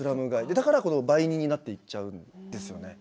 だから売人になっていっちゃうんですよね。